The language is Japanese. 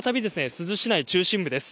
珠洲市内中心部です。